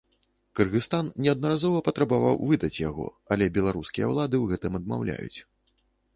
Кыргызстан неаднаразова патрабаваў выдаць яго, але беларускія ўлады ў гэтым адмаўляюць.